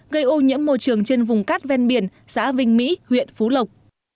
gây ô nhiễm môi trường trên vùng cát ven biển xã vinh mỹ huyện phú lộc